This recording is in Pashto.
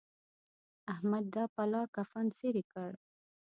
احمد دا پلا کفن څيرې کړ.